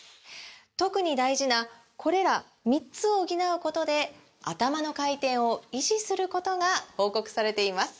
特に大事なこれら３つを補うことでアタマの回転を維持することが報告されています